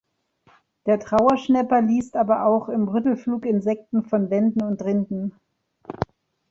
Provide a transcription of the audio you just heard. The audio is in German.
Der Trauerschnäpper liest aber auch im Rüttelflug Insekten von Wänden und Rinden.